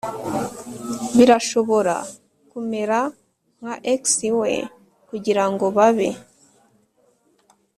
birashobora kumera nka ex we kugirango babe